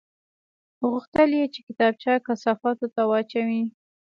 غوښتل یې چې کتابچه کثافاتو ته واچوي